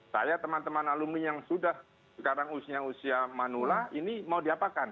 saya teman teman alumni yang sudah sekarang usia usia manula ini mau diapakan